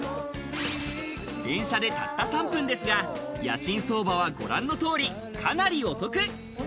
電車でたった３分ですが、家賃相場はご覧の通り、かなりお得！